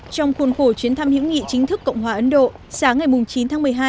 trong khuôn khổ chuyến thăm hữu nghị chính thức cộng hòa ấn độ sáng ngày chín tháng một mươi hai